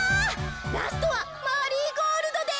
ラストはマリーゴールドです。